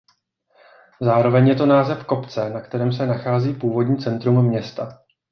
Zároveň je to název kopce na kterém se nachází původní centrum města.